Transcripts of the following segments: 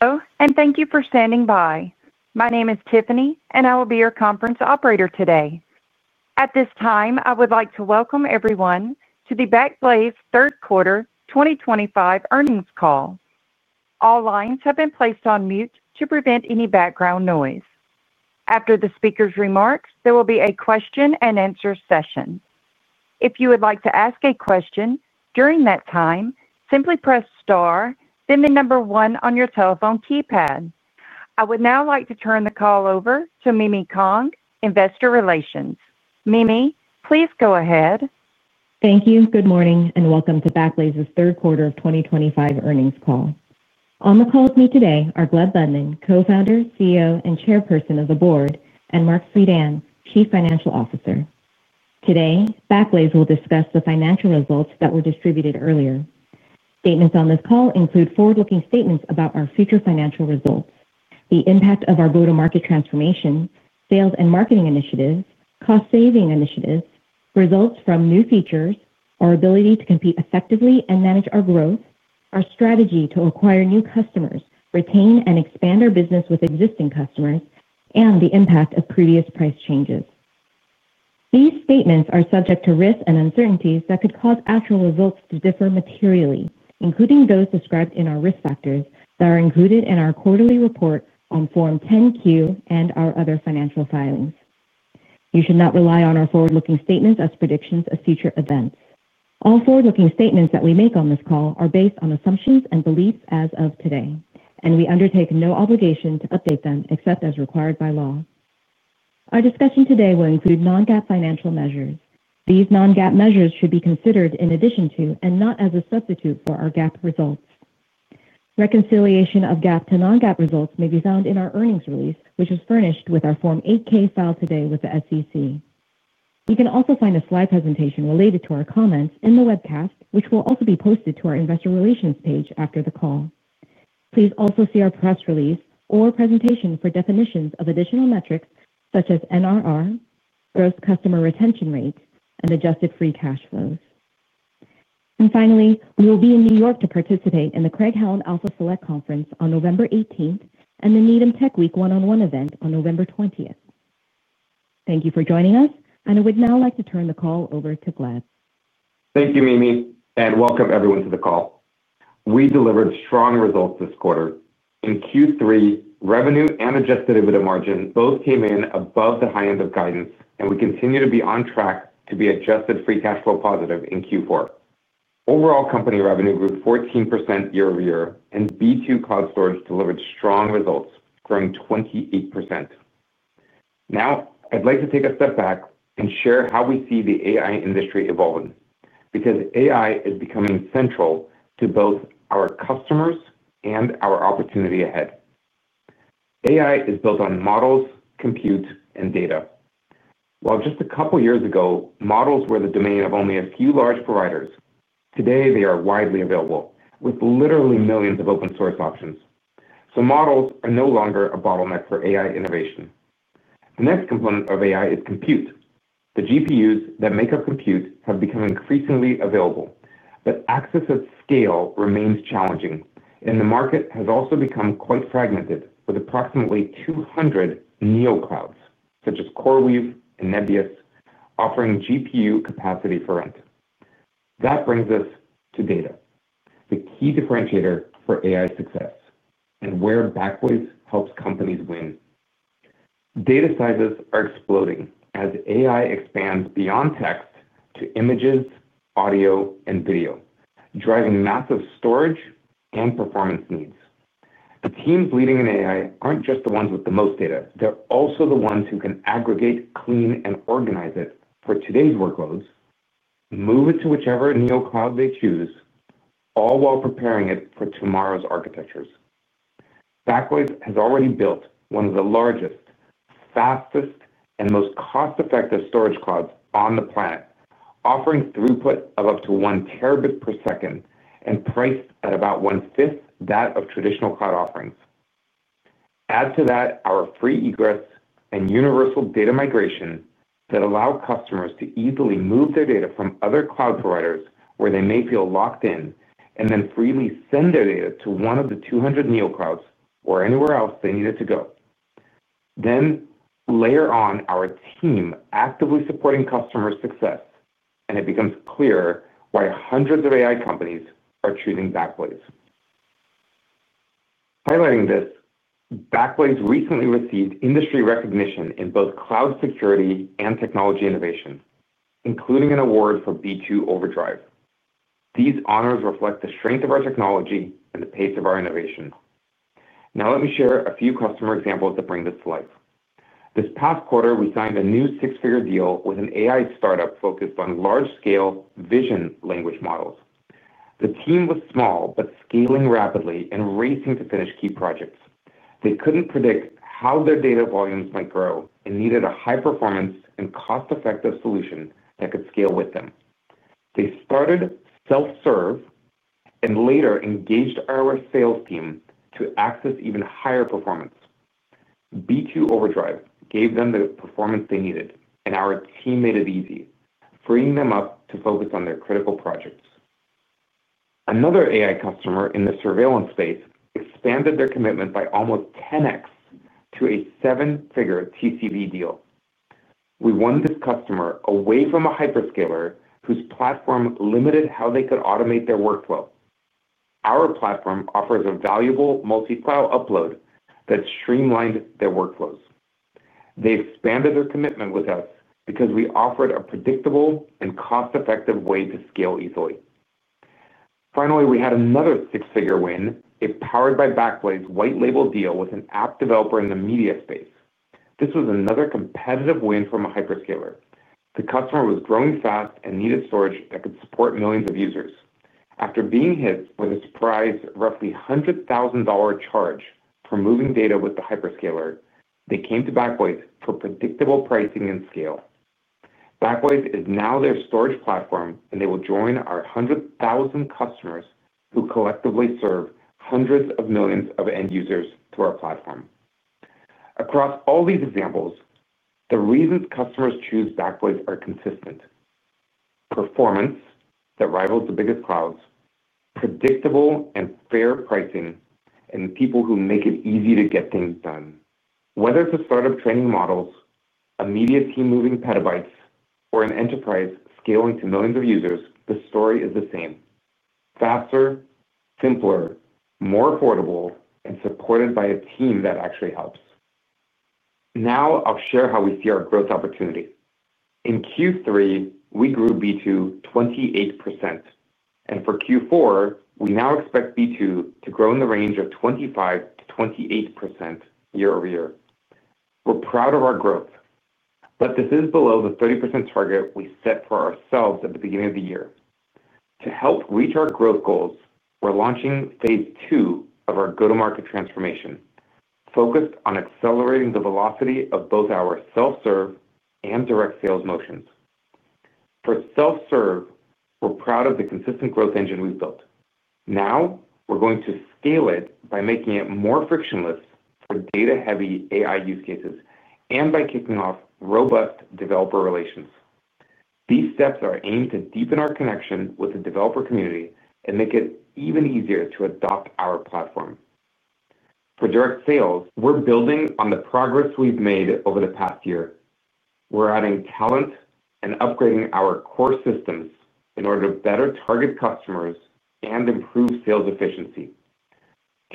Hello, and thank you for standing by. My name is Tiffany, and I will be your conference operator today. At this time, I would like to welcome everyone to the Backblaze Third Quarter 2025 earnings call. All lines have been placed on mute to prevent any background noise. After the speaker's remarks, there will be a question-and-answer session. If you would like to ask a question during that time, simply press star, then the number one on your telephone keypad. I would now like to turn the call over to Mimi Kong, Investor Relations. Mimi, please go ahead. Thank you. Good morning, and welcome to Backblaze's Third Quarter 2025 earnings call. On the call with me today are Gleb Budman, co-founder, CEO, and chairperson of the board, and Marc Suidan, chief financial officer. Today, Backblaze will discuss the financial results that were distributed earlier. Statements on this call include forward-looking statements about our future financial results, the impact of our go-to-market transformation, sales and marketing initiatives, cost-saving initiatives, results from new features, our ability to compete effectively and manage our growth, our strategy to acquire new customers, retain and expand our business with existing customers, and the impact of previous price changes. These statements are subject to risks and uncertainties that could cause actual results to differ materially, including those described in our risk factors that are included in our quarterly report on Form 10Q and our other financial filings. You should not rely on our forward-looking statements as predictions of future events. All forward-looking statements that we make on this call are based on assumptions and beliefs as of today, and we undertake no obligation to update them except as required by law. Our discussion today will include non-GAAP financial measures. These non-GAAP measures should be considered in addition to, and not as a substitute for, our GAAP results. Reconciliation of GAAP to non-GAAP results may be found in our earnings release, which is furnished with our Form 8K filed today with the SEC. You can also find a slide presentation related to our comments in the webcast, which will also be posted to our Investor Relations page after the call. Please also see our press release or presentation for definitions of additional metrics such as NRR, gross customer retention rate, and adjusted free cash flows. Finally, we will be in New York to participate in the Craig-Hallum Alpha Select Conference on November 18 and the Needham Tech Week one-on-one event on November 20. Thank you for joining us, and I would now like to turn the call over to Gleb. Thank you, Mimi, and welcome everyone to the call. We delivered strong results this quarter. In Q3, revenue and Adjusted EBITDA margin both came in above the high end of guidance, and we continue to be on track to be adjusted free cash flow positive in Q4. Overall, company revenue grew 14% year over year, and B2 Cloud Storage delivered strong results, growing 28%. Now, I'd like to take a step back and share how we see the AI industry evolving because AI is becoming central to both our customers and our opportunity ahead. AI is built on models, compute, and data. While just a couple of years ago, models were the domain of only a few large providers, today they are widely available with literally millions of open-source options. So models are no longer a bottleneck for AI innovation. The next component of AI is compute. The GPUs that make up compute have become increasingly available, but access at scale remains challenging, and the market has also become quite fragmented with approximately 200 Neo Clouds such as CoreWeave and Nebius offering GPU capacity for rent. That brings us to data, the key differentiator for AI success and where Backblaze helps companies win. Data sizes are exploding as AI expands beyond text to images, audio, and video, driving massive storage and performance needs. The teams leading in AI aren't just the ones with the most data; they're also the ones who can aggregate, clean, and organize it for today's workloads, move it to whichever Neo Cloud they choose, all while preparing it for tomorrow's architectures. Backblaze has already built one of the largest, fastest, and most cost-effective storage clouds on the planet, offering throughput of up to 1 terabit per second and priced at about one-fifth that of traditional cloud offerings. Add to that our free egress and universal data migration that allow customers to easily move their data from other cloud providers where they may feel locked in and then freely send their data to one of the 200 Neo Clouds or anywhere else they need it to go. Layer on our team actively supporting customer success, and it becomes clearer why hundreds of AI companies are choosing Backblaze. Highlighting this, Backblaze recently received industry recognition in both cloud security and technology innovation, including an award for B2 Overdrive. These honors reflect the strength of our technology and the pace of our innovation. Now, let me share a few customer examples that bring this to life. This past quarter, we signed a new six-figure deal with an AI startup focused on large-scale vision language models. The team was small but scaling rapidly and racing to finish key projects. They could not predict how their data volumes might grow and needed a high-performance and cost-effective solution that could scale with them. They started self-serve and later engaged our sales team to access even higher performance. B2 Overdrive gave them the performance they needed, and our team made it easy, freeing them up to focus on their critical projects. Another AI customer in the surveillance space expanded their commitment by almost 10x to a seven-figure TCV deal. We won this customer away from a hyperscaler whose platform limited how they could automate their workflow. Our platform offers a valuable multi-cloud upload that streamlined their workflows. They expanded their commitment with us because we offered a predictable and cost-effective way to scale easily. Finally, we had another six-figure win, a Powered By Backblaze white-label deal with an app developer in the media space. This was another competitive win from a hyperscaler. The customer was growing fast and needed storage that could support millions of users. After being hit with a surprise roughly $100,000 charge for moving data with the hyperscaler, they came to Backblaze for predictable pricing and scale. Backblaze is now their storage platform, and they will join our 100,000 customers who collectively serve hundreds of millions of end users through our platform. Across all these examples, the reasons customers choose Backblaze are consistent. Performance that rivals the biggest clouds, predictable and fair pricing, and people who make it easy to get things done. Whether it's a startup training models, a media team moving petabytes, or an enterprise scaling to millions of users, the story is the same. Faster, simpler, more affordable, and supported by a team that actually helps. Now, I'll share how we see our growth opportunity. In Q3, we grew B2 28%. And for Q4, we now expect B2 to grow in the range of 25%-28% year over year. We're proud of our growth, but this is below the 30% target we set for ourselves at the beginning of the year. To help reach our growth goals, we're launching phase II of our go-to-market transformation focused on accelerating the velocity of both our self-serve and direct sales motions. For self-serve, we're proud of the consistent growth engine we've built. Now, we're going to scale it by making it more frictionless for data-heavy AI use cases and by kicking off robust developer relations. These steps are aimed to deepen our connection with the developer community and make it even easier to adopt our platform. For direct sales, we're building on the progress we've made over the past year. We're adding talent and upgrading our core systems in order to better target customers and improve sales efficiency.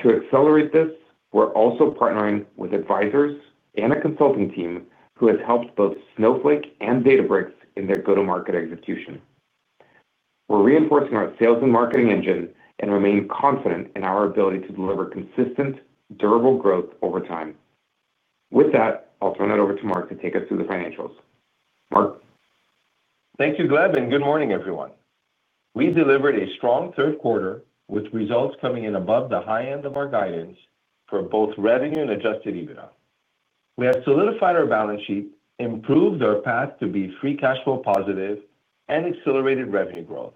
To accelerate this, we're also partnering with advisors and a consulting team who has helped both Snowflake and Databricks in their go-to-market execution. We're reinforcing our sales and marketing engine and remain confident in our ability to deliver consistent, durable growth over time. With that, I'll turn it over to Marc to take us through the financials. Marc. Thank you, Gleb, and good morning, everyone. We delivered a strong third quarter with results coming in above the high end of our guidance for both revenue and Adjusted EBITDA. We have solidified our balance sheet, improved our path to be free cash flow positive, and accelerated revenue growth.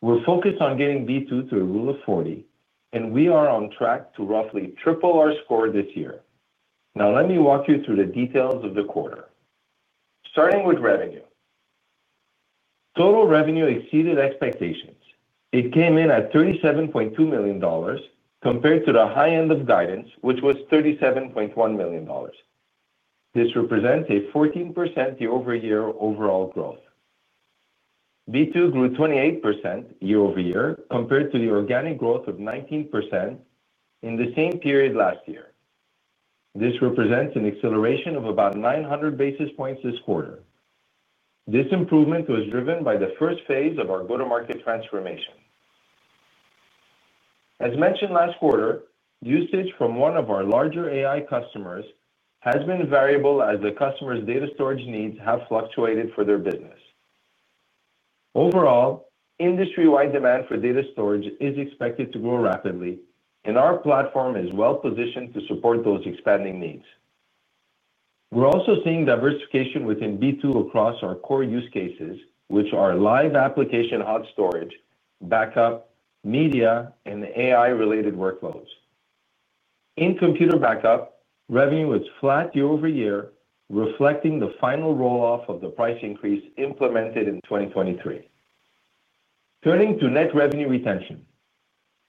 We're focused on getting B2 to a rule of 40, and we are on track to roughly triple our score this year. Now, let me walk you through the details of the quarter. Starting with revenue. Total revenue exceeded expectations. It came in at $37.2 million compared to the high end of guidance, which was $37.1 million. This represents a 14% year-over-year overall growth. B2 grew 28% year over year compared to the organic growth of 19%. In the same period last year. This represents an acceleration of about 900 basis points this quarter. This improvement was driven by the first phase of our go-to-market transformation. As mentioned last quarter, usage from one of our larger AI customers has been variable as the customer's data storage needs have fluctuated for their business. Overall, industry-wide demand for data storage is expected to grow rapidly, and our platform is well-positioned to support those expanding needs. We're also seeing diversification within B2 across our core use cases, which are live application hot storage, backup, media, and AI-related workloads. In Computer Backup, revenue was flat year over year, reflecting the final rolloff of the price increase implemented in 2023. Turning to net revenue retention.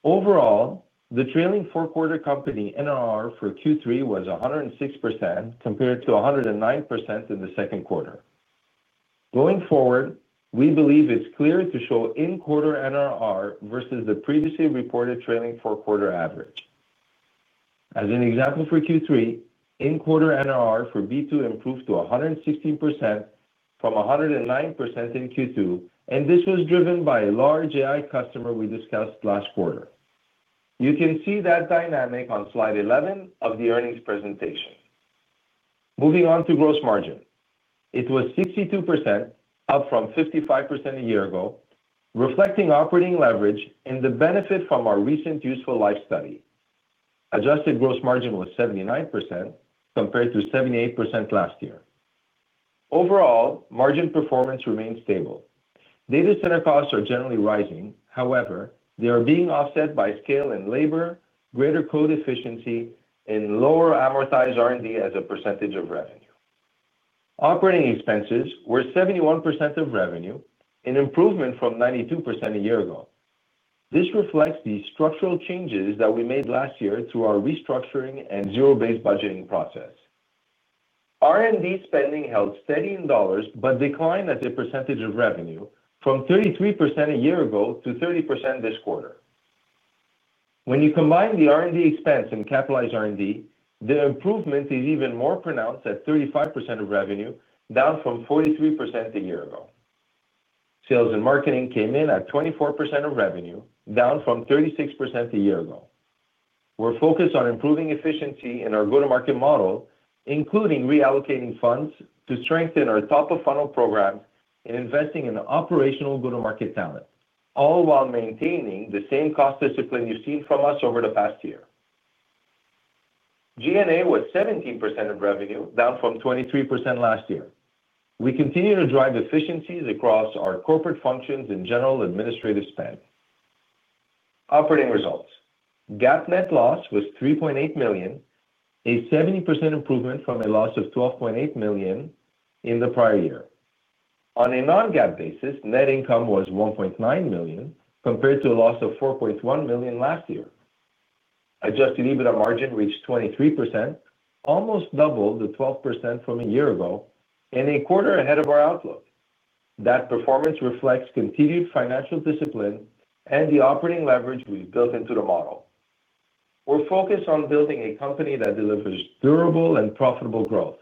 Overall, the trailing four-quarter company NRR for Q3 was 106% compared to 109% in the second quarter. Going forward, we believe it's clear to show in-quarter NRR versus the previously reported trailing four-quarter average. As an example for Q3, in-quarter NRR for B2 improved to 116% from 109% in Q2, and this was driven by a large AI customer we discussed last quarter. You can see that dynamic on slide 11 of the earnings presentation. Moving on to gross margin. It was 62%, up from 55% a year ago, reflecting operating leverage and the benefit from our recent useful life study. Adjusted gross margin was 79% compared to 78% last year. Overall, margin performance remained stable. Data center costs are generally rising. However, they are being offset by scale and labor, greater code efficiency, and lower amortized R&D as a percentage of revenue. Operating expenses were 71% of revenue, an improvement from 92% a year ago. This reflects the structural changes that we made last year through our restructuring and zero-based budgeting process. R&D spending held steady in dollars but declined as a percentage of revenue from 33% a year ago to 30% this quarter. When you combine the R&D expense and capitalized R&D, the improvement is even more pronounced at 35% of revenue, down from 43% a year ago. Sales and marketing came in at 24% of revenue, down from 36% a year ago. We're focused on improving efficiency in our go-to-market model, including reallocating funds to strengthen our top-of-funnel programs and investing in operational go-to-market talent, all while maintaining the same cost discipline you've seen from us over the past year. G&A was 17% of revenue, down from 23% last year. We continue to drive efficiencies across our corporate functions and general administrative spend. Operating results. GAAP net loss was $3.8 million, a 70% improvement from a loss of $12.8 million in the prior year. On a non-GAAP basis, net income was $1.9 million compared to a loss of $4.1 million last year. Adjusted EBITDA margin reached 23%, almost double the 12% from a year ago, and a quarter ahead of our outlook. That performance reflects continued financial discipline and the operating leverage we've built into the model. We're focused on building a company that delivers durable and profitable growth.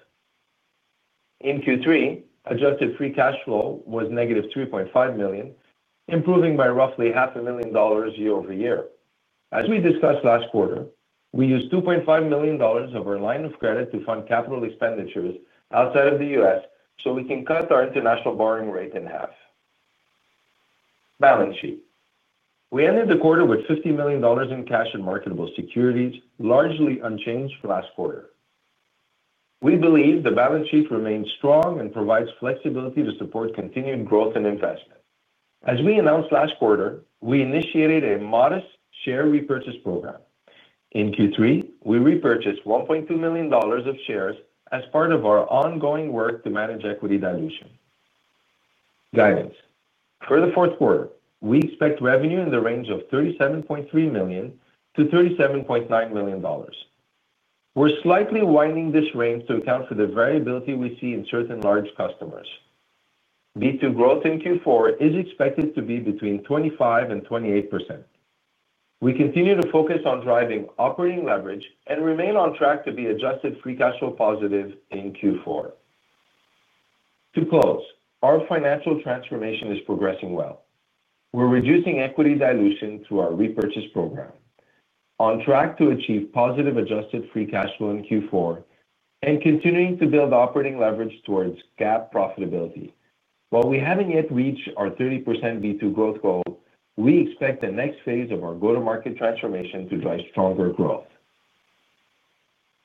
In Q3, adjusted free cash flow was negative $3.5 million, improving by roughly $500,000 year over year. As we discussed last quarter, we used $2.5 million of our line of credit to fund capital expenditures outside of the U.S. so we can cut our international borrowing rate in half. Balance sheet. We ended the quarter with $50 million in cash and marketable securities, largely unchanged from last quarter. We believe the balance sheet remains strong and provides flexibility to support continued growth and investment. As we announced last quarter, we initiated a modest share repurchase program. In Q3, we repurchased $1.2 million of shares as part of our ongoing work to manage equity dilution. Guidance. For the fourth quarter, we expect revenue in the range of $37.3 million-$37.9 million. We're slightly widening this range to account for the variability we see in certain large customers. B2 growth in Q4 is expected to be between 25% and 28%. We continue to focus on driving operating leverage and remain on track to be adjusted free cash flow positive in Q4. To close, our financial transformation is progressing well. We're reducing equity dilution through our repurchase program. On track to achieve positive adjusted free cash flow in Q4 and continuing to build operating leverage towards GAAP profitability. While we haven't yet reached our 30% B2 growth goal, we expect the next phase of our go-to-market transformation to drive stronger growth.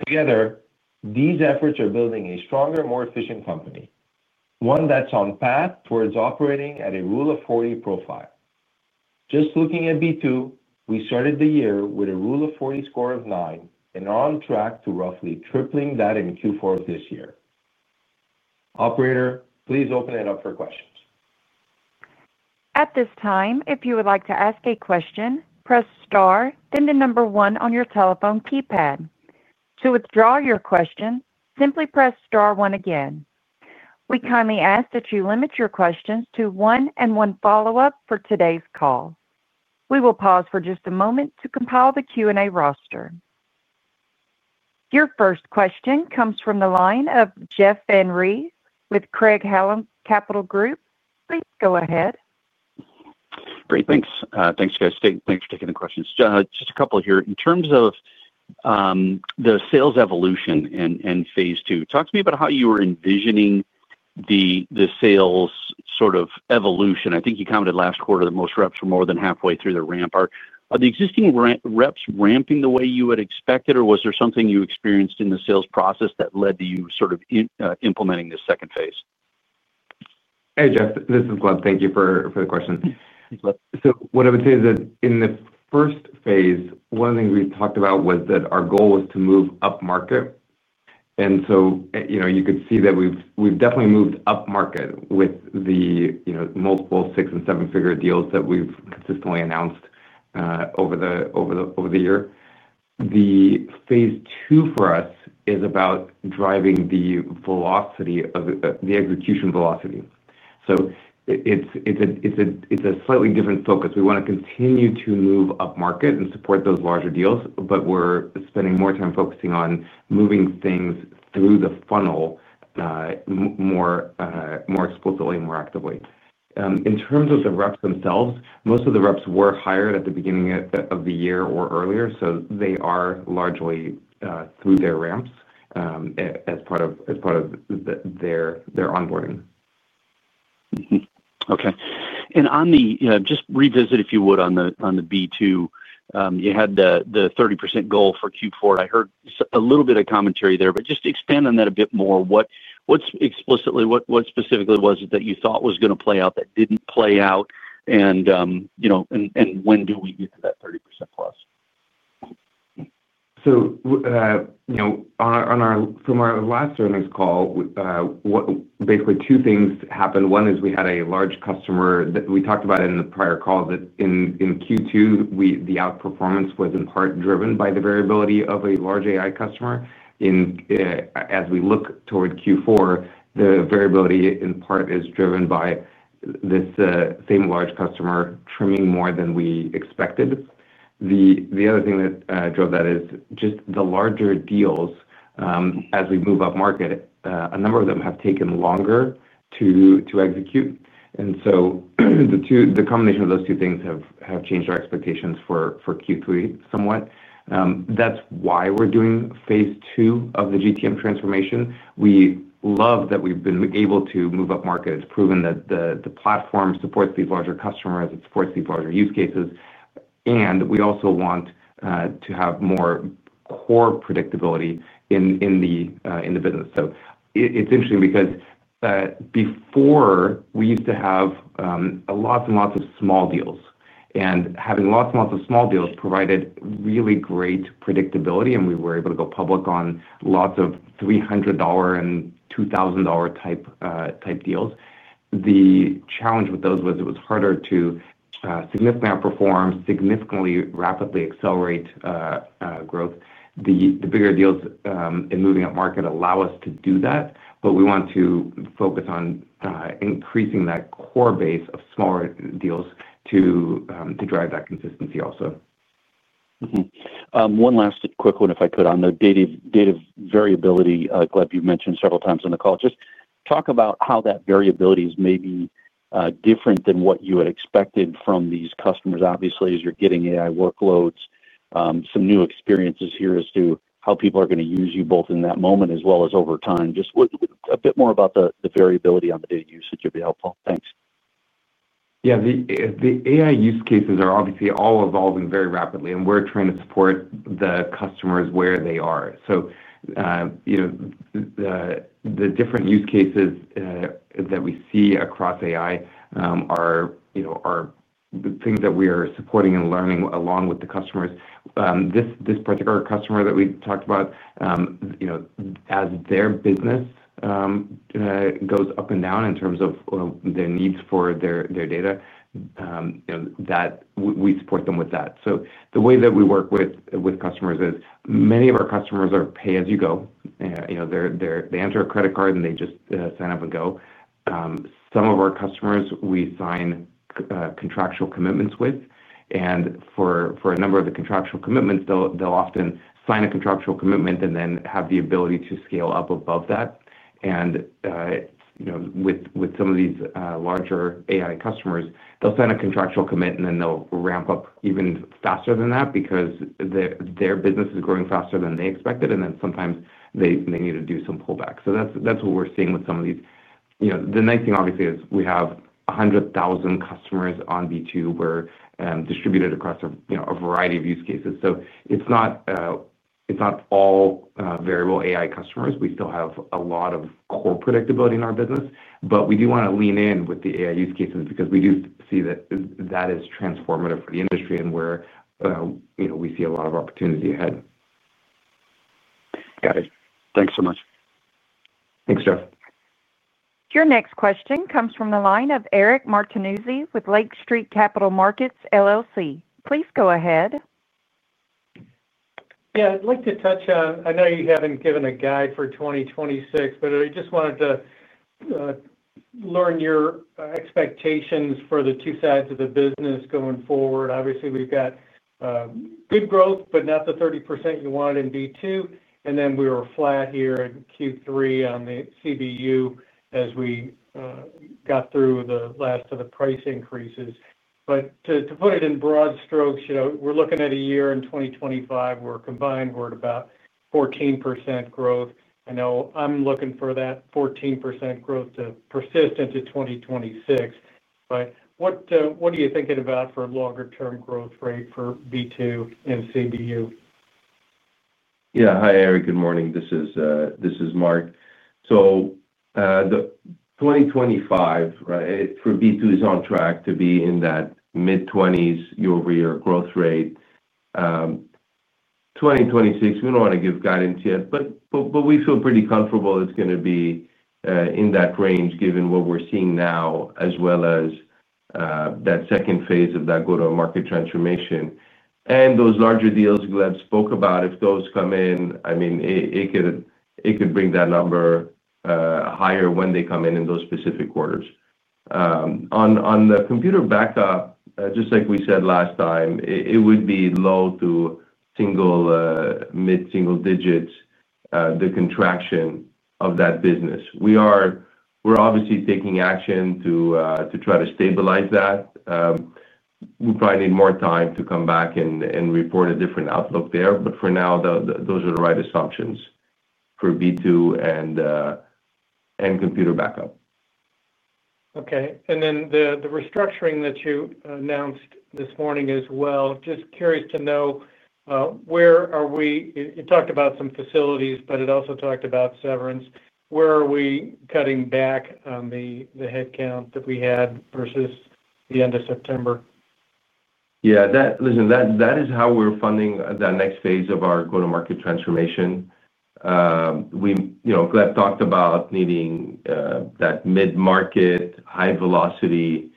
Together, these efforts are building a stronger, more efficient company. One that's on path towards operating at a rule of 40 profile. Just looking at B2, we started the year with a rule of 40 score of 9 and are on track to roughly tripling that in Q4 of this year. Operator, please open it up for questions. At this time, if you would like to ask a question, press star, then the number one on your telephone keypad. To withdraw your question, simply press star one again. We kindly ask that you limit your questions to one and one follow-up for today's call. We will pause for just a moment to compile the Q&A roster. Your first question comes from the line of Jeff Van Rhee with Craig-Hallum Capital Group. Please go ahead. Great. Thanks. Thanks, guys. Thanks for taking the questions. Just a couple here. In terms of the sales evolution in phase II, talk to me about how you were envisioning the sales sort of evolution. I think you commented last quarter that most reps were more than halfway through their ramp. Are the existing reps ramping the way you had expected, or was there something you experienced in the sales process that led to you sort of implementing the second phase? Hey, Jeff. This is Gleb. Thank you for the question. Thanks, Gleb. What I would say is that in the first phase, one of the things we talked about was that our goal was to move up market. You could see that we've definitely moved up market with the multiple six and seven-figure deals that we've consistently announced over the year. Phase II for us is about driving the execution velocity. It is a slightly different focus. We want to continue to move up market and support those larger deals, but we're spending more time focusing on moving things through the funnel more explicitly and more actively. In terms of the reps themselves, most of the reps were hired at the beginning of the year or earlier, so they are largely through their ramps as part of their onboarding. Okay. And just revisit, if you would, on the B2. You had the 30% goal for Q4. I heard a little bit of commentary there, but just to expand on that a bit more, what specifically was it that you thought was going to play out that did not play out, and when do we get to that 30% plus? From our last earnings call, basically, two things happened. One is we had a large customer that we talked about in the prior call that in Q2, the outperformance was in part driven by the variability of a large AI customer. As we look toward Q4, the variability in part is driven by this same large customer trimming more than we expected. The other thing that drove that is just the larger deals, as we move up market, a number of them have taken longer to execute. The combination of those two things have changed our expectations for Q3 somewhat. That is why we are doing phase II of the GTM transformation. We love that we have been able to move up market. It has proven that the platform supports these larger customers. It supports these larger use cases. We also want to have more core predictability in the business. It's interesting because before, we used to have lots and lots of small deals. Having lots and lots of small deals provided really great predictability, and we were able to go public on lots of $300 and $2,000-type deals. The challenge with those was it was harder to significantly outperform, significantly rapidly accelerate growth. The bigger deals in moving up market allow us to do that, but we want to focus on increasing that core base of smaller deals to drive that consistency also. One last quick one, if I could, on the data variability. Gleb, you've mentioned several times in the call. Just talk about how that variability is maybe different than what you had expected from these customers, obviously, as you're getting AI workloads, some new experiences here as to how people are going to use you both in that moment as well as over time. Just a bit more about the variability on the data usage would be helpful. Thanks. Yeah. The AI use cases are obviously all evolving very rapidly, and we're trying to support the customers where they are. The different use cases that we see across AI are things that we are supporting and learning along with the customers. This particular customer that we talked about, as their business goes up and down in terms of their needs for their data, we support them with that. The way that we work with customers is many of our customers are pay-as-you-go. They enter a credit card, and they just sign up and go. Some of our customers we sign contractual commitments with, and for a number of the contractual commitments, they'll often sign a contractual commitment and then have the ability to scale up above that. With some of these larger AI customers, they'll sign a contractual commit, and then they'll ramp up even faster than that because their business is growing faster than they expected, and then sometimes they need to do some pullback. That's what we're seeing with some of these. The nice thing, obviously, is we have 100,000 customers on B2. We're distributed across a variety of use cases. It's not all variable AI customers. We still have a lot of core predictability in our business, but we do want to lean in with the AI use cases because we do see that that is transformative for the industry and where we see a lot of opportunity ahead. Got it. Thanks so much. Thanks, Jeff. Your next question comes from the line of Eric Martinuzzi with Lake Street Capital Markets LLC. Please go ahead. Yeah. I'd like to touch on—I know you haven't given a guide for 2026, but I just wanted to learn your expectations for the two sides of the business going forward. Obviously, we've got good growth, but not the 30% you wanted in B2. And then we were flat here in Q3 on the CBU as we got through the last of the price increases. To put it in broad strokes, we're looking at a year in 2025 where combined we're at about 14% growth. I know I'm looking for that 14% growth to persist into 2026. What are you thinking about for a longer-term growth rate for B2 and CBU? Yeah. Hi, Eric. Good morning. This is Marc. The 2025 for B2 is on track to be in that mid-20s year-over-year growth rate. 2026, we do not want to give guidance yet, but we feel pretty comfortable it is going to be in that range given what we are seeing now as well as that second phase of that go-to-market transformation. Those larger deals Gleb spoke about, if those come in, I mean, it could bring that number higher when they come in in those specific quarters. On the Computer Backup, just like we said last time, it would be low to mid-single digits, the contraction of that business. We are obviously taking action to try to stabilize that. We probably need more time to come back and report a different outlook there. For now, those are the right assumptions for B2 and Computer Backup. Okay. The restructuring that you announced this morning as well, just curious to know. Where are we? You talked about some facilities, but it also talked about severance. Where are we cutting back on the headcount that we had versus the end of September? Yeah. Listen, that is how we're funding that next phase of our go-to-market transformation. Gleb talked about needing that mid-market, high-velocity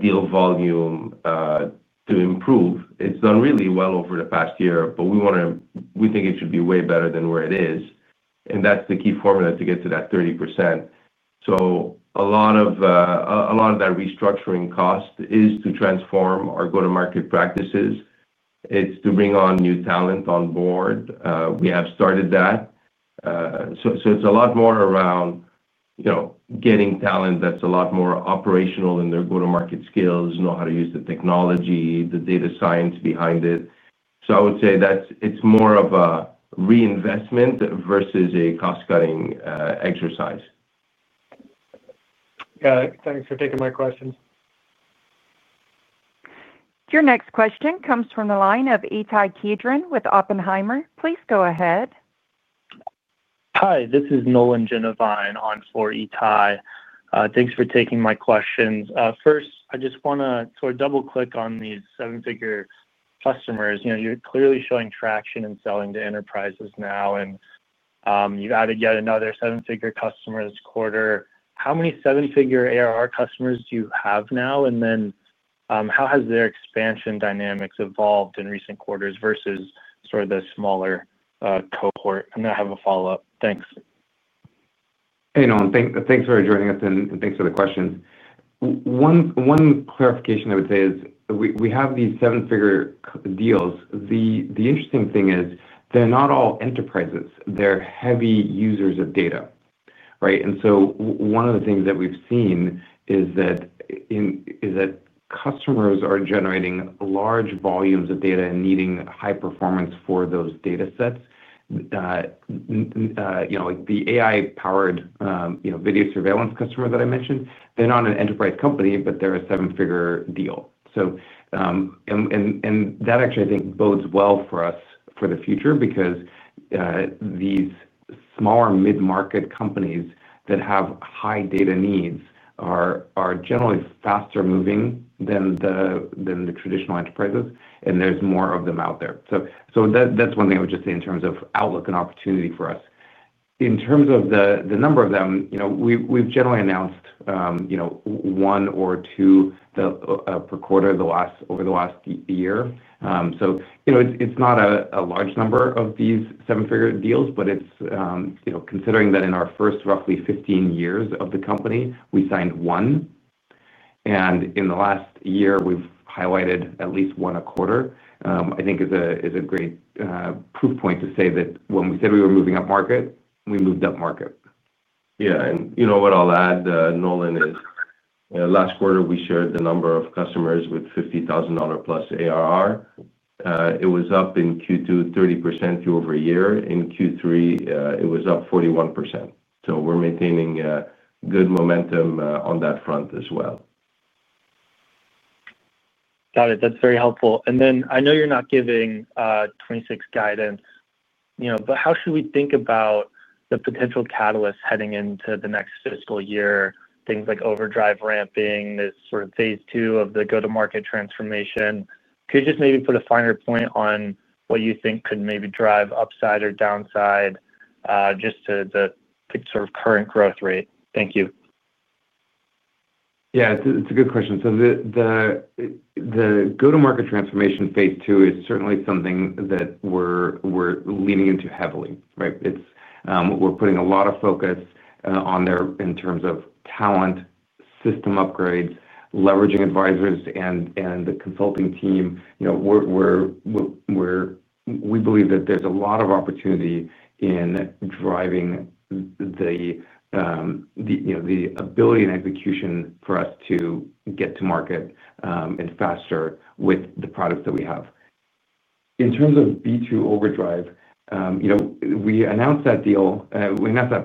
deal volume to improve. It's done really well over the past year, but we think it should be way better than where it is. That's the key formula to get to that 30%. A lot of that restructuring cost is to transform our go-to-market practices. It's to bring new talent on board. We have started that. It's a lot more around getting talent that's a lot more operational in their go-to-market skills, know how to use the technology, the data science behind it. I would say it's more of a reinvestment versus a cost-cutting exercise. Got it. Thanks for taking my questions. Your next question comes from the line of Ittai Kidron with Oppenheimer. Please go ahead. Hi. This is Nolan Jenevein on for Ittai. Thanks for taking my questions. First, I just want to sort of double-click on these seven-figure customers. You're clearly showing traction in selling to enterprises now, and you've added yet another seven-figure customer this quarter. How many seven-figure ARR customers do you have now? How has their expansion dynamics evolved in recent quarters versus sort of the smaller cohort? I have a follow-up. Thanks. Hey, Nolan. Thanks for joining us, and thanks for the questions. One clarification I would say is we have these seven-figure deals. The interesting thing is they're not all enterprises. They're heavy users of data. Right? One of the things that we've seen is that customers are generating large volumes of data and needing high performance for those data sets. Like the AI-powered video surveillance customer that I mentioned, they're not an enterprise company, but they're a seven-figure deal. That actually, I think, bodes well for us for the future because these smaller mid-market companies that have high data needs are generally faster moving than the traditional enterprises, and there's more of them out there. That's one thing I would just say in terms of outlook and opportunity for us. In terms of the number of them, we've generally announced one or two. Per quarter over the last year. It is not a large number of these seven-figure deals, but considering that in our first roughly 15 years of the company, we signed one, and in the last year, we have highlighted at least one a quarter, I think it is a great proof point to say that when we said we were moving up market, we moved up market. Yeah. And you know what I'll add, Nolan, is last quarter, we shared the number of customers with $50,000+ ARR. It was up in Q2 30% year-over-year. In Q3, it was up 41%. So we're maintaining good momentum on that front as well. Got it. That is very helpful. I know you are not giving 2026 guidance. How should we think about the potential catalysts heading into the next fiscal year? Things like Overdrive ramping, this sort of phase II of the go-to-market transformation. Could you just maybe put a finer point on what you think could maybe drive upside or downside, just to the sort of current growth rate? Thank you. Yeah. It's a good question. The go-to-market transformation phase II is certainly something that we're leaning into heavily. Right? We're putting a lot of focus on there in terms of talent, system upgrades, leveraging advisors, and the consulting team. We believe that there's a lot of opportunity in driving the ability and execution for us to get to market faster with the products that we have. In terms of B2 Overdrive, we announced that deal. We announced that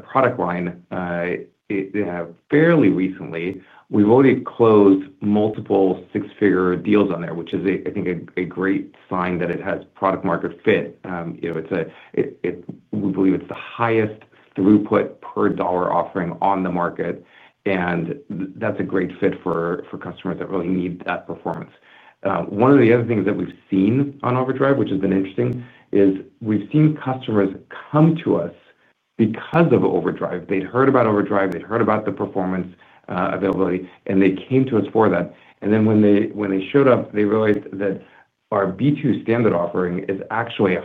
product line fairly recently. We've already closed multiple six-figure deals on there, which is, I think, a great sign that it has product-market fit. We believe it's the highest throughput per dollar offering on the market. That's a great fit for customers that really need that performance. One of the other things that we've seen on Overdrive, which has been interesting, is we've seen customers come to us because of Overdrive. They'd heard about Overdrive. They'd heard about the performance availability, and they came to us for that. When they showed up, they realized that our B2 standard offering is actually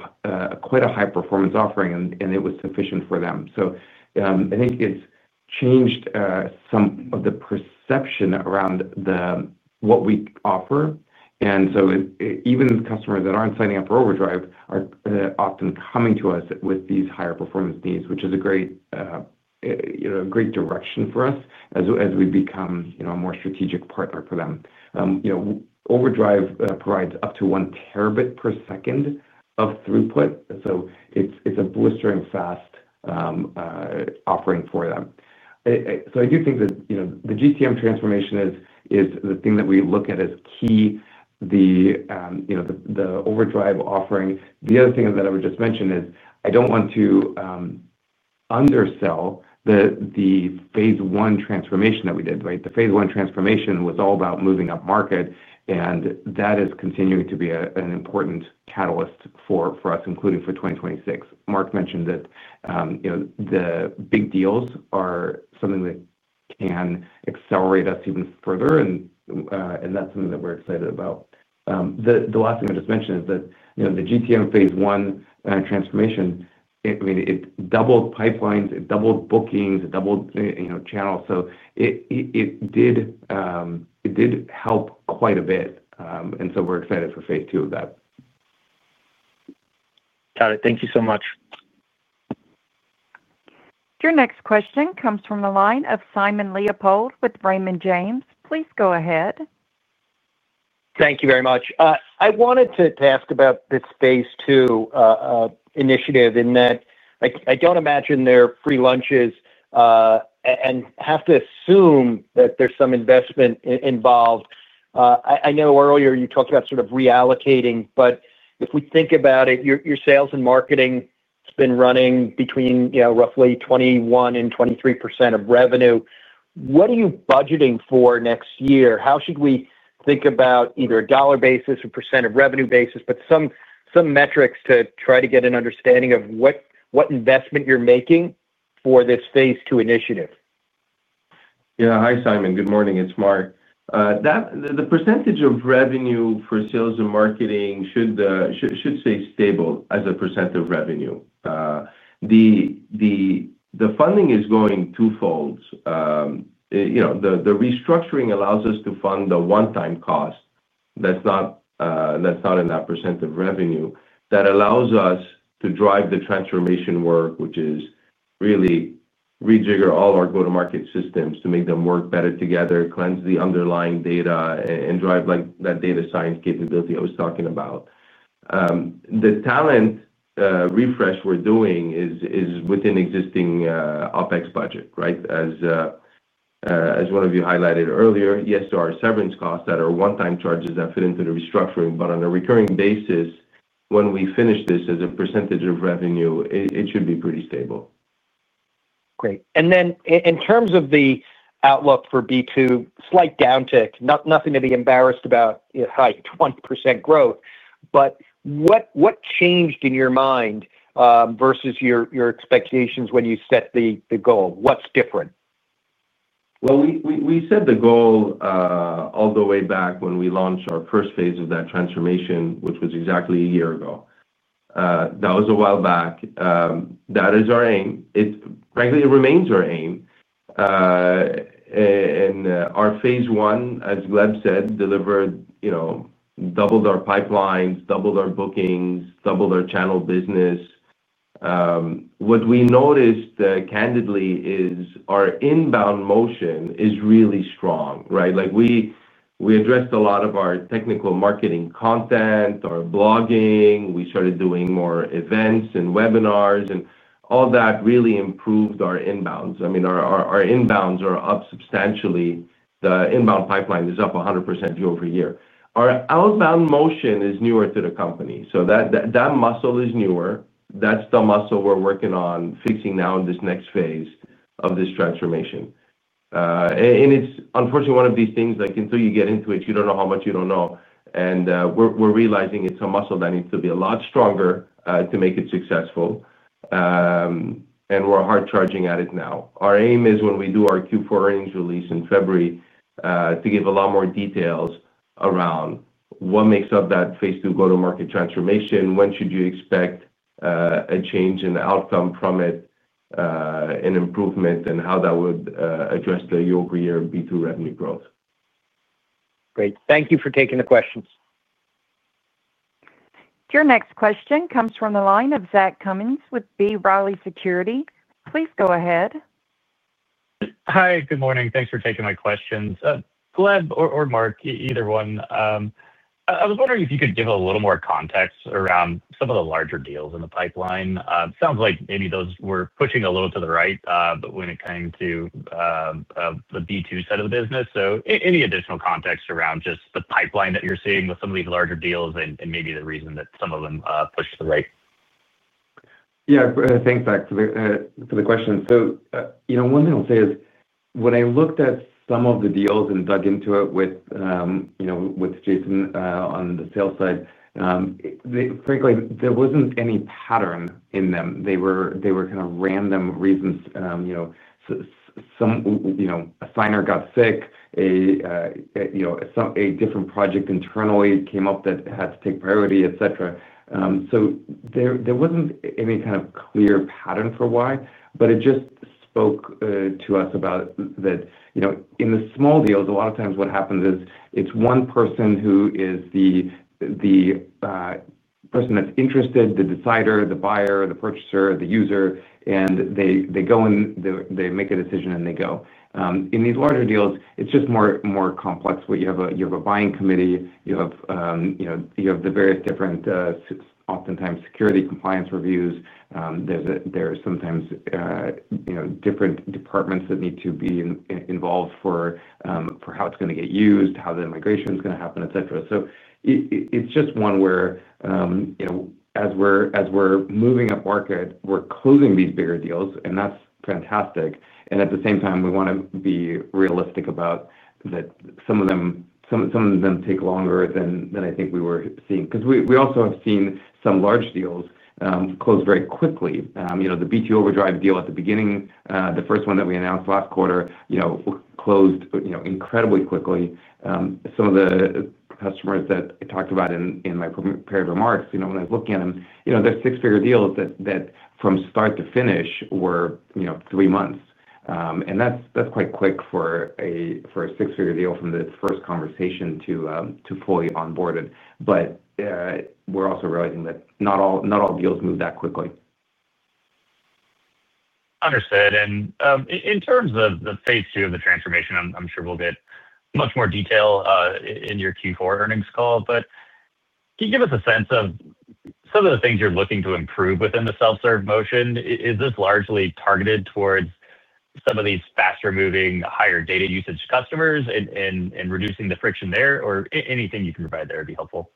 quite a high-performance offering, and it was sufficient for them. I think it's changed some of the perception around what we offer. Even customers that aren't signing up for Overdrive are often coming to us with these higher performance needs, which is a great direction for us as we become a more strategic partner for them. Overdrive provides up to 1 terabit per second of throughput. It is a blistering fast offering for them. I do think that the GTM transformation is the thing that we look at as key, the Overdrive offering. The other thing that I would just mention is I do not want to undersell the phase I transformation that we did. Right? The phase I transformation was all about moving up market, and that is continuing to be an important catalyst for us, including for 2026. Mark mentioned that the big deals are something that can accelerate us even further, and that is something that we are excited about. The last thing I just mentioned is that the GTM phase I transformation, I mean, it doubled pipelines, it doubled bookings, it doubled channels. It did help quite a bit, and we are excited for phase II of that. Got it. Thank you so much. Your next question comes from the line of Simon Leopold with Raymond James. Please go ahead. Thank you very much. I wanted to ask about this phase II initiative in that I do not imagine there are free lunches. I have to assume that there is some investment involved. I know earlier you talked about sort of reallocating, but if we think about it, your sales and marketing has been running between roughly 21% and 23% of revenue. What are you budgeting for next year? How should we think about either a dollar basis or percent of revenue basis, but some metrics to try to get an understanding of what investment you are making for this phase II initiative? Yeah. Hi, Simon. Good morning. It's Marc. The percentage of revenue for sales and marketing should stay stable as a percent of revenue. The funding is going twofold. The restructuring allows us to fund the one-time cost. That's not in that percent of revenue. That allows us to drive the transformation work, which is really rejigger all our go-to-market systems to make them work better together, cleanse the underlying data, and drive that data science capability I was talking about. The talent refresh we're doing is within existing OpEx budget. Right? As one of you highlighted earlier, yes, there are severance costs that are one-time charges that fit into the restructuring, but on a recurring basis, when we finish this as a percentage of revenue, it should be pretty stable. Great. In terms of the outlook for B2, slight downtick, nothing to be embarrassed about, high 20% growth. What changed in your mind versus your expectations when you set the goal? What's different? We set the goal all the way back when we launched our first phase of that transformation, which was exactly a year ago. That was a while back. That is our aim. Frankly, it remains our aim. Our phase I, as Gleb said, delivered. Doubled our pipelines, doubled our bookings, doubled our channel business. What we noticed, candidly, is our inbound motion is really strong. Right? We addressed a lot of our technical marketing content, our blogging. We started doing more events and webinars, and all that really improved our inbounds. I mean, our inbounds are up substantially. The inbound pipeline is up 100% year-over-year. Our outbound motion is newer to the company. That muscle is newer. That is the muscle we are working on fixing now in this next phase of this transformation. It's, unfortunately, one of these things that until you get into it, you don't know how much you don't know. We're realizing it's a muscle that needs to be a lot stronger to make it successful. We're hard charging at it now. Our aim is when we do our Q4 earnings release in February, to give a lot more details around what makes up that phase II go-to-market transformation, when you should expect a change in the outcome from it, an improvement, and how that would address the year-over-year B2 revenue growth. Great. Thank you for taking the questions. Your next question comes from the line of Zachary Cummins with B. Riley Securities. Please go ahead. Hi. Good morning. Thanks for taking my questions. Gleb or Marc, either one. I was wondering if you could give a little more context around some of the larger deals in the pipeline. It sounds like maybe those were pushing a little to the right when it came to the B2 side of the business. Any additional context around just the pipeline that you're seeing with some of these larger deals and maybe the reason that some of them push to the right? Yeah. Thanks, Zach, for the question. One thing I'll say is when I looked at some of the deals and dug into it with Jason on the sales side, frankly, there wasn't any pattern in them. They were kind of random reasons. A signer got sick. A different project internally came up that had to take priority, etc. There wasn't any kind of clear pattern for why, but it just spoke to us about that. In the small deals, a lot of times what happens is it's one person who is the person that's interested, the decider, the buyer, the purchaser, the user, and they go and they make a decision and they go. In these larger deals, it's just more complex. You have a buying committee. You have the various different, oftentimes security compliance reviews. There's sometimes different departments that need to be involved for. How it's going to get used, how the migration is going to happen, etc. It is just one where, as we're moving up market, we're closing these bigger deals, and that's fantastic. At the same time, we want to be realistic about that some of them take longer than I think we were seeing. We also have seen some large deals close very quickly. The B2 Overdrive deal at the beginning, the first one that we announced last quarter, closed incredibly quickly. Some of the customers that I talked about in my prepared remarks, when I was looking at them, there are six-figure deals that from start to finish were three months. That is quite quick for a six-figure deal from the first conversation to fully onboard it. We are also realizing that not all deals move that quickly. Understood. In terms of the phase II of the transformation, I'm sure we'll get much more detail in your Q4 earnings call. Can you give us a sense of some of the things you're looking to improve within the self-serve motion? Is this largely targeted towards some of these faster-moving, higher data usage customers and reducing the friction there? Anything you can provide there would be helpful.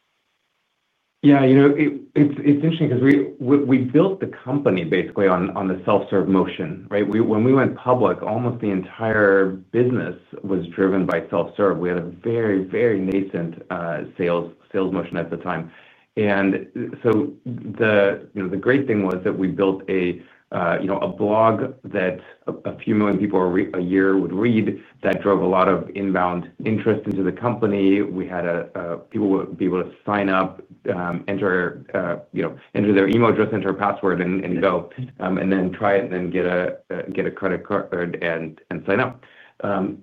Yeah. It's interesting because we built the company basically on the self-serve motion. Right? When we went public, almost the entire business was driven by self-serve. We had a very, very nascent sales motion at the time. The great thing was that we built a blog that a few million people a year would read that drove a lot of inbound interest into the company. We had people be able to sign up, enter their email address, enter a password, and go, and then try it, and then get a credit card and sign up. As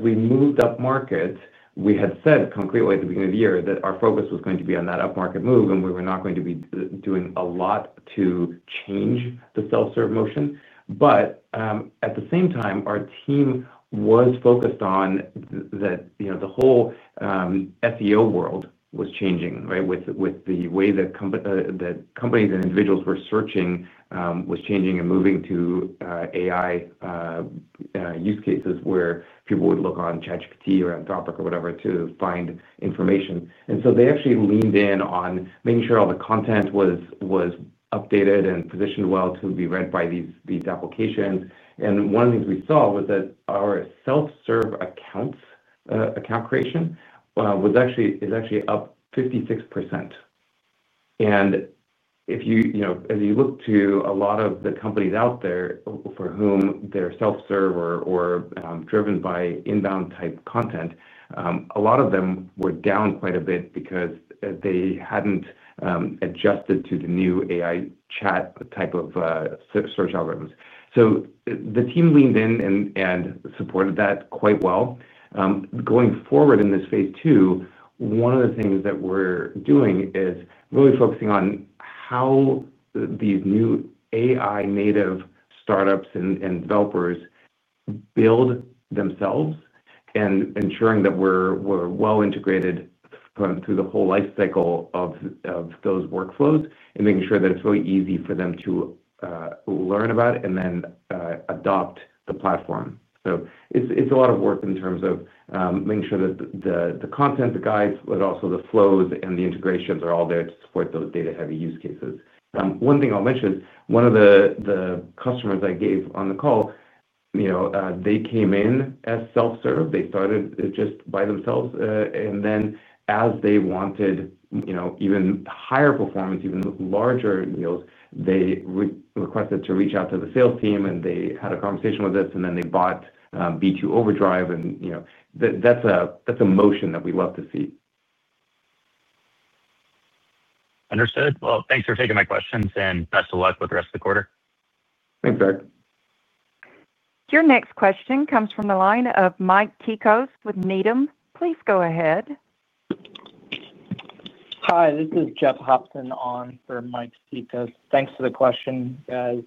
we moved up market, we had said concretely at the beginning of the year that our focus was going to be on that upmarket move, and we were not going to be doing a lot to change the self-serve motion. At the same time, our team was focused on. That the whole SEO world was changing. Right? With the way that companies and individuals were searching was changing and moving to AI. Use cases where people would look on ChatGPT or Anthropic or whatever to find information. They actually leaned in on making sure all the content was updated and positioned well to be read by these applications. One of the things we saw was that our self-serve account creation was actually up 56%. As you look to a lot of the companies out there for whom their self-serve or driven by inbound type content, a lot of them were down quite a bit because they had not adjusted to the new AI chat type of search algorithms. The team leaned in and supported that quite well. Going forward in this phase II, one of the things that we are doing is really focusing on how. These new AI-native startups and developers build themselves and ensuring that we're well integrated through the whole lifecycle of those workflows and making sure that it's really easy for them to learn about it and then adopt the platform. It's a lot of work in terms of making sure that the content, the guides, but also the flows and the integrations are all there to support those data-heavy use cases. One thing I'll mention is one of the customers I gave on the call. They came in as self-serve. They started just by themselves. As they wanted even higher performance, even larger deals, they requested to reach out to the sales team, and they had a conversation with us, and then they bought B2 Overdrive. That's a motion that we love to see. Understood. Thanks for taking my questions and best of luck with the rest of the quarter. Thanks, Zach. Your next question comes from the line of Mike Cikos with Needham. Please go ahead. Hi. This is Jeff Hopson on for Mike Ticos. Thanks for the question, guys.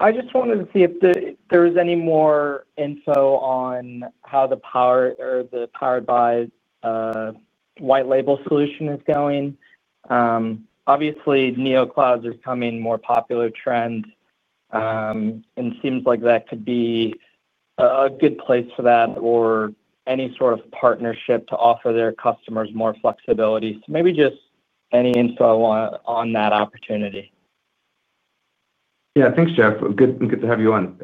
I just wanted to see if there was any more info on how the Powered By. White Label solution is going. obviously, Neo Clouds is becoming a more popular trend. It seems like that could be a good place for that or any sort of partnership to offer their customers more flexibility. Maybe just any info on that opportunity. Yeah. Thanks, Jeff. Good to have you on.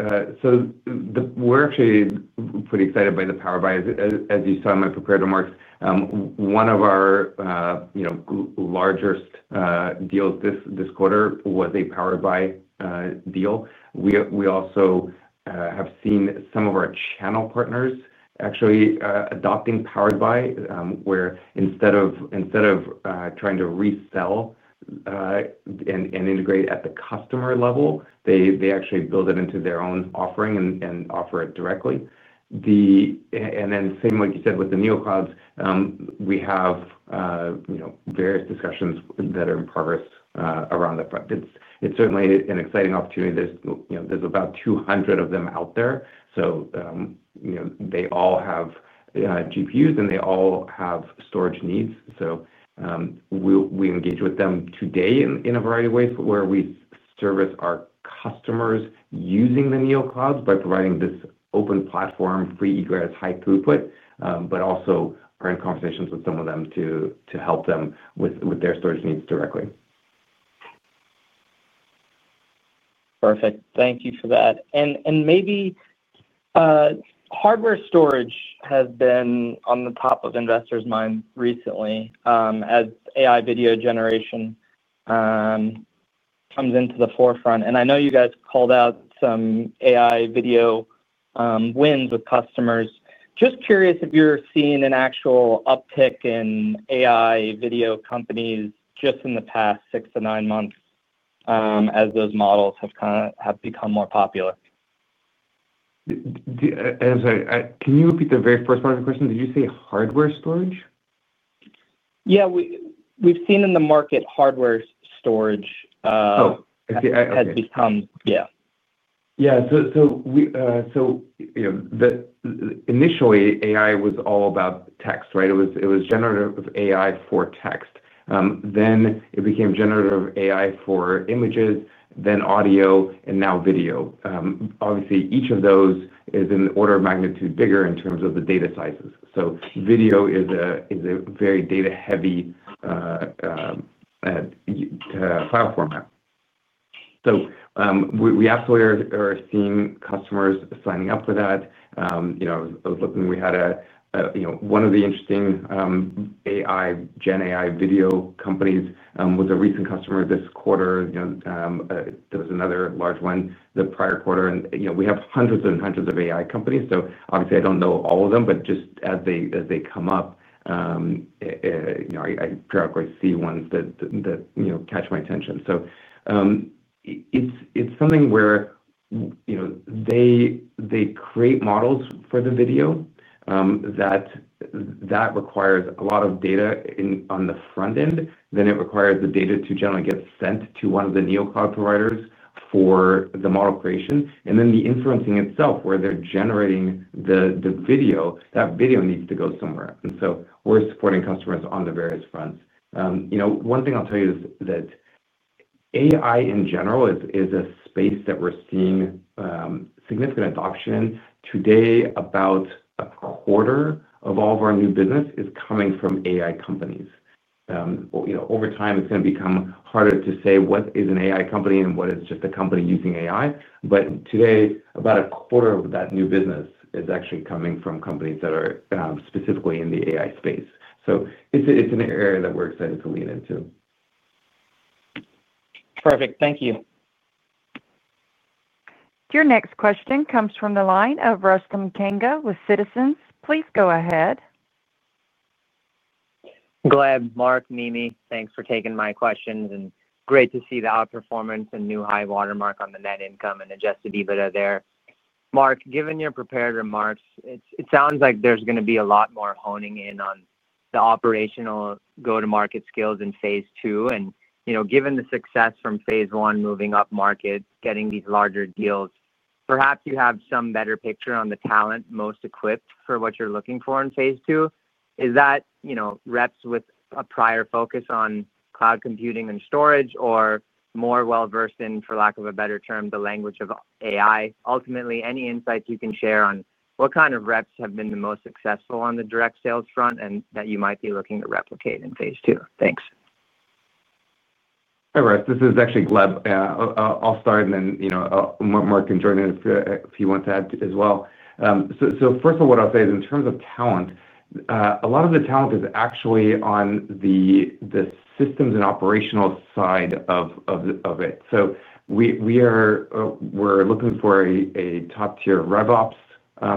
We're actually pretty excited by the Powered By. As you saw in my prepared remarks, one of our largest deals this quarter was a Powered By deal. We also have seen some of our channel partners actually adopting Powered By, where instead of trying to resell and integrate at the customer level, they actually build it into their own offering and offer it directly. Like you said with the Neo Clouds, we have various discussions that are in progress around that. It's certainly an exciting opportunity. There's about 200 of them out there. They all have GPUs, and they all have storage needs. We engage with them today in a variety of ways where we service our customers using the Neo Clouds by providing this open platform, free egress, high throughput, but also are in conversations with some of them to help them with their storage needs directly. Perfect. Thank you for that. Maybe hardware storage has been on the top of investors' minds recently as AI video generation comes into the forefront. I know you guys called out some AI video wins with customers. Just curious if you're seeing an actual uptick in AI video companies just in the past six to nine months as those models have become more popular. Can you repeat the very first part of the question? Did you say hardware storage? Yeah. We've seen in the market hardware storage has become, yeah. Yeah. So. Initially, AI was all about text. Right? It was generative AI for text. Then it became generative AI for images, then audio, and now video. Obviously, each of those is in the order of magnitude bigger in terms of the data sizes. Video is a very data-heavy file format. We absolutely are seeing customers signing up for that. I was looking. We had one of the interesting AI, GenAI video companies was a recent customer this quarter. There was another large one the prior quarter. We have hundreds and hundreds of AI companies. Obviously, I do not know all of them, but just as they come up, I periodically see ones that catch my attention. It is something where they create models for the video that requires a lot of data on the front end. It requires the data to generally get sent to one of the Neo Clouds providers for the model creation. The inferencing itself, where they're generating the video, that video needs to go somewhere. We're supporting customers on the various fronts. One thing I'll tell you is that AI in general is a space that we're seeing significant adoption. Today, about a quarter of all of our new business is coming from AI companies. Over time, it's going to become harder to say what is an AI company and what is just a company using AI. Today, about a quarter of that new business is actually coming from companies that are specifically in the AI space. It's an area that we're excited to lean into. Perfect. Thank you. Your next question comes from the line of Rustam Kanga with Citizens. Please go ahead. Gleb, Marc, Mimi, thanks for taking my questions. Great to see the outperformance and new high watermark on the net income and Adjusted EBITDA there. Marc, given your prepared remarks, it sounds like there is going to be a lot more honing in on the operational go-to-market skills in phase II. Given the success from phase I moving up market, getting these larger deals, perhaps you have some better picture on the talent most equipped for what you are looking for in phase II. Is that reps with a prior focus on cloud computing and storage or more well-versed in, for lack of a better term, the language of AI? Ultimately, any insights you can share on what kind of reps have been the most successful on the direct sales front and that you might be looking to replicate in phase II. Thanks. All right. This is actually Gleb. I'll start, and then Marc can join in if he wants to add as well. First of all, what I'll say is in terms of talent, a lot of the talent is actually on the systems and operational side of it. We're looking for a top-tier RevOps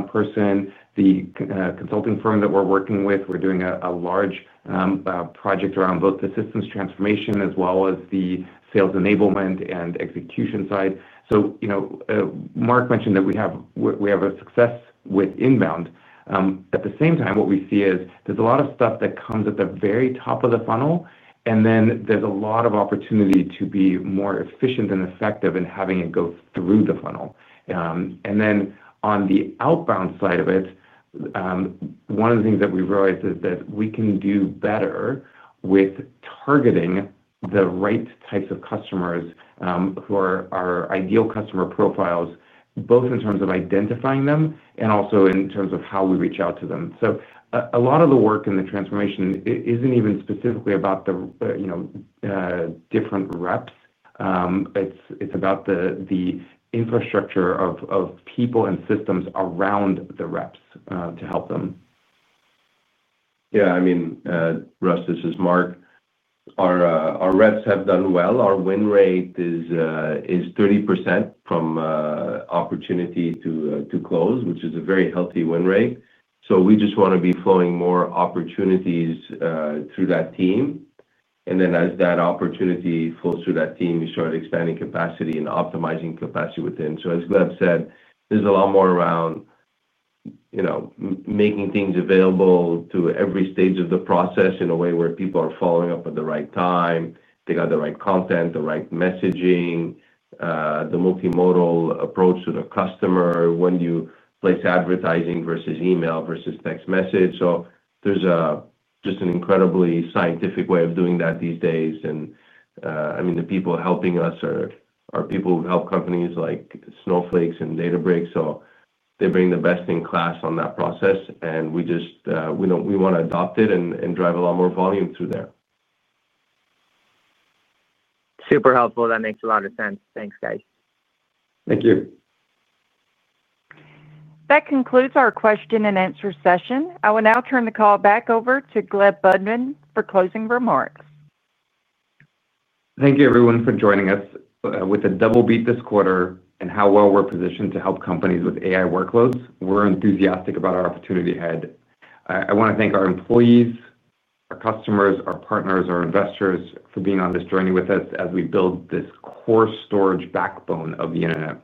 person. The consulting firm that we're working with, we're doing a large project around both the systems transformation as well as the sales enablement and execution side. Marc mentioned that we have a success with inbound. At the same time, what we see is there's a lot of stuff that comes at the very top of the funnel, and then there's a lot of opportunity to be more efficient and effective in having it go through the funnel. Then on the outbound side of it. One of the things that we've realized is that we can do better with targeting the right types of customers who are our ideal customer profiles, both in terms of identifying them and also in terms of how we reach out to them. A lot of the work in the transformation isn't even specifically about the different reps. It's about the infrastructure of people and systems around the reps to help them. Yeah. I mean, Rust, this is Marc. Our reps have done well. Our win rate is 30% from opportunity to close, which is a very healthy win rate. We just want to be flowing more opportunities through that team. As that opportunity flows through that team, we start expanding capacity and optimizing capacity within. As Gleb said, there is a lot more around making things available to every stage of the process in a way where people are following up at the right time, they got the right content, the right messaging. The multimodal approach to the customer when you place advertising versus email versus text message. There is just an incredibly scientific way of doing that these days. I mean, the people helping us are people who help companies like Snowflake and Databricks. They bring the best in class on that process. We. Want to adopt it and drive a lot more volume through there. Super helpful. That makes a lot of sense. Thanks, guys. Thank you. That concludes our question and answer session. I will now turn the call back over to Gleb Budman for closing remarks. Thank you, everyone, for joining us. With a double beat this quarter and how well we're positioned to help companies with AI workloads, we're enthusiastic about our opportunity ahead. I want to thank our employees, our customers, our partners, our investors for being on this journey with us as we build this core storage backbone of the internet.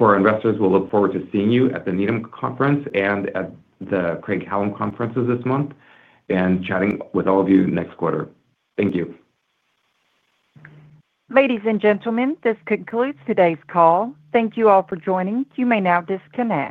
For our investors, we'll look forward to seeing you at the Needham Conference and at the Craig-Hallum Conferences this month and chatting with all of you next quarter. Thank you. Ladies and gentlemen, this concludes today's call. Thank you all for joining. You may now disconnect.